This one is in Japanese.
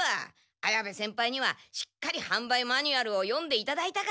綾部先輩にはしっかりはん売マニュアルを読んでいただいたから！